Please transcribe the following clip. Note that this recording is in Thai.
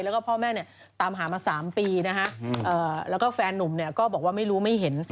แล้วก็พ่อแม่เนี่ยตามหามา๓ปีนะฮะแล้วก็แฟนนุ่มเนี่ยก็บอกว่าไม่รู้ไม่เห็น